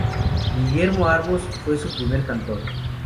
Guillermo Arbós fue su primer cantor.